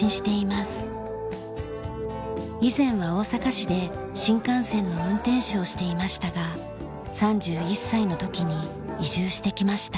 以前は大阪市で新幹線の運転手をしていましたが３１歳の時に移住してきました。